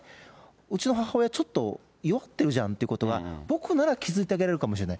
うちの母親、ちょっと弱ってるじゃんってことが、僕なら気付いてあげられるかもしれない。